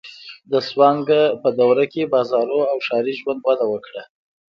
د سونګ دورې کې بازارونه او ښاري ژوند وده وکړه.